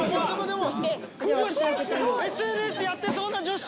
ＳＮＳやってそうな女子！